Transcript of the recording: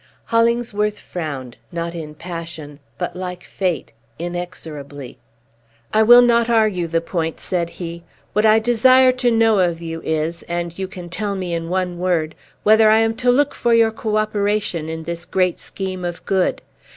Hollingsworth frowned; not in passion, but, like fate, inexorably. "I will not argue the point," said he. "What I desire to know of you is, and you can tell me in one word, whether I am to look for your cooperation in this great scheme of good?